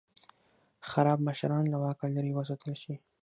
خراب مشران له واکه لرې وساتل شي.